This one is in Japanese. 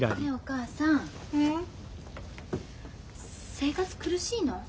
生活苦しいの？